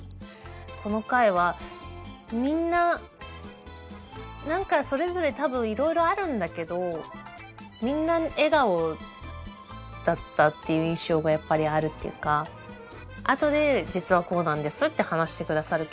この回はみんな何かそれぞれ多分いろいろあるんだけどみんな笑顔だったっていう印象がやっぱりあるっていうか後で実はこうなんですって話して下さるけど。